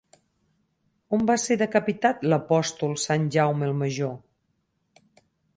On va ser decapitat l'apòstol Sant Jaume el Major?